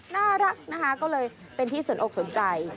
น่ารักนะคะก็เลยเป็นที่สนอกสนใจ